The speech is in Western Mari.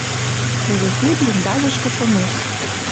Теве ти блиндажышкы шомеш.